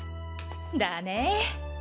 だね！